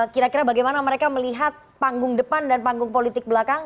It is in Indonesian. kira kira bagaimana mereka melihat panggung depan dan panggung politik belakang